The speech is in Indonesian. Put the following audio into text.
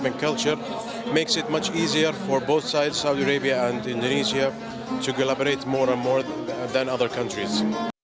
membuatnya lebih mudah bagi kedua sisi saudi arabia dan indonesia untuk berkolaborasi lebih banyak dengan negara lain